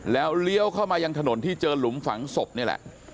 แล้วเลี้ยวเข้ามายังถนนที่เจอหลุมฝังศพนี่แหละ